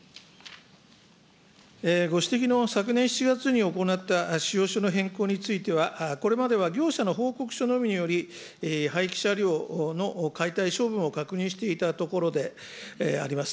ご指摘の昨年７月に行った仕様書の変更については、これまでは業者の報告書のみにより、廃棄車両の解体処分を確認していたところであります。